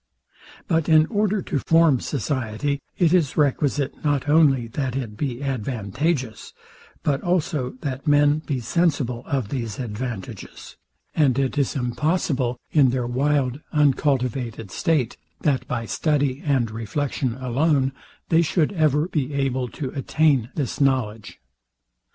But in order to form society, it is requisite not only that it be advantageous, but also that men be sensible of these advantages; and it is impossible, in their wild uncultivated state, that by study and reflection alone, they should ever be able to attain this knowledge.